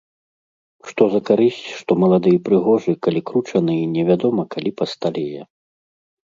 Што за карысць, што малады і прыгожы, калі кручаны і невядома калі пасталее.